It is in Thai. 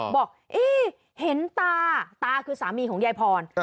บอกเห็นตาตาคือสามีของยายพร